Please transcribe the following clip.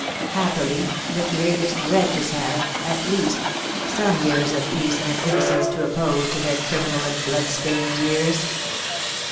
Happily, the greatest wretches have, at least, some years of peace and innocence to oppose to their criminal and blood stained years.